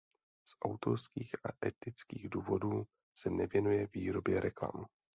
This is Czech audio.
Z autorských a etických důvodů se nevěnuje výrobě reklam.